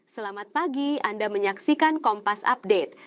selamat pagi anda menyaksikan kompas update